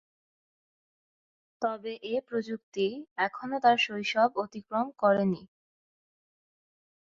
তবে এ প্রযুক্তি এখনো তার শৈশব অতিক্রম করেনি।